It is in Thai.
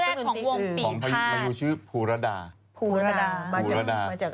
น้องลูกก้าชื่ออะไรนะแพรงชื่ออะไร